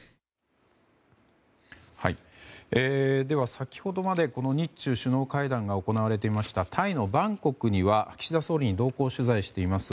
先ほどまで日中首脳会談が行われていましたタイのバンコクには岸田総理に同行取材しています